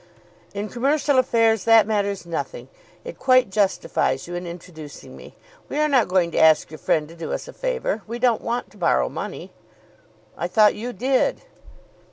"In commercial affairs that matters nothing. It quite justifies you in introducing me. We are not going to ask your friend to do us a favour. We don't want to borrow money." "I thought you did."